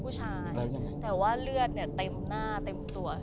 ผู้ชายแต่ว่าเลือดเนี่ยเต็มหน้าเต็มตัว